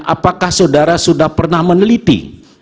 apakah saudara sudah pernah meneliti